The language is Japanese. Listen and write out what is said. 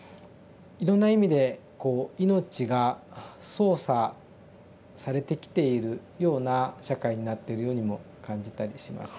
いろんな意味でこう命が操作されてきているような社会になっているようにも感じたりします。